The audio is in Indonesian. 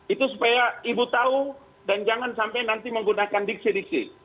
itu supaya ibu tahu dan jangan sampai nanti menggunakan diksi diksi